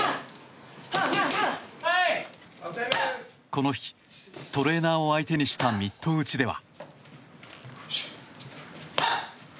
この日、トレーナーを相手にしたミット打ちでは。